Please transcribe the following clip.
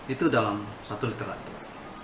itu dalam satu literatur